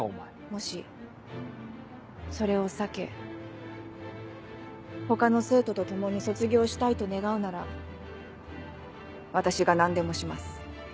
もしそれを避け他の生徒と共に卒業したいと願うなら私が何でもします。